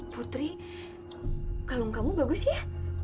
putri kalung kamu bagus ya